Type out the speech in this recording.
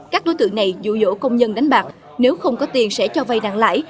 các đối tượng này dụ dỗ công nhân đánh bạc nếu không có tiền sẽ cho vay nặng lãi